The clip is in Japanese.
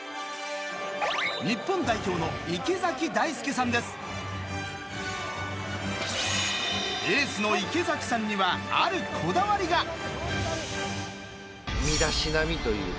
日本代表のエースの池崎さんにはあるこだわりが。